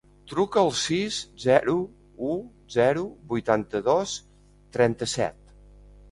Truca al sis, zero, u, zero, vuitanta-dos, trenta-set.